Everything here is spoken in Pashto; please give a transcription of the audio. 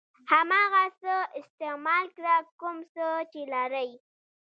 هماغه څه استعمال کړه کوم څه چې لرئ.